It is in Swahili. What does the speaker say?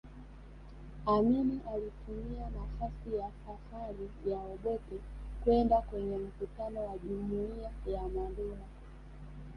Amin alitumia nafasi ya safari ya Obote kwenda kwenye mkutano wa Jumuiya ya Madola